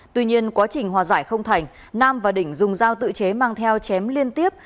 tuy nhiên quá trình hòa giải không thành nam và đỉnh dùng dao tự chế mang theo chém liên tiếp